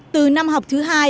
từ năm học thứ hai